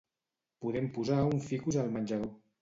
Podem posar un ficus al mejador.